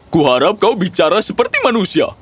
kuharap kau bicara seperti manusia